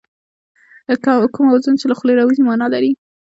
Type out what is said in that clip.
کوم اوازونه چې له خولې راوځي مانا لري